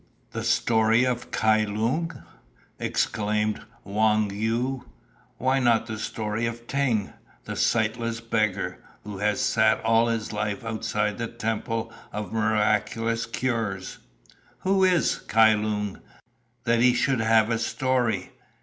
"The story of Kai Lung!" exclaimed Wang Yu. "Why not the story of Ting, the sightless beggar, who has sat all his life outside the Temple of Miraculous Cures? Who is Kai Lung, that he should have a story?